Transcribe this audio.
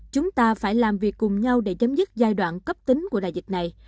chúng ta phải làm việc cùng nhau để chấm dứt giai đoạn cấp tính của đại dịch này